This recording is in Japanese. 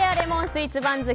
スイーツ番付